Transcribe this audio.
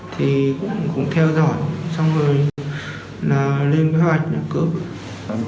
thì cũng theo dõi xong rồi là lên kế hoạch cướp